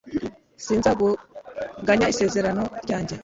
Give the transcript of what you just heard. sinzahuganya isezerano ryanjye